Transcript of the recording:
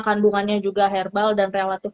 kandungannya juga herbal dan relatif